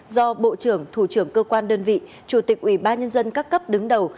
do bộ trưởng thủ trưởng cơ quan đơn vị chủ tịch ubnd các cấp đứng đầu